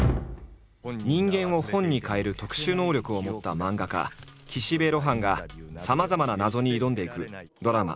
人間を本に変える特殊能力を持った漫画家岸辺露伴がさまざまな謎に挑んでいくドラマ